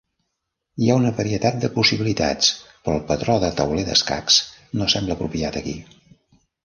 Hi ha una varietat de possibilitats, però el patró de tauler d'escacs no sembla apropiat aquí.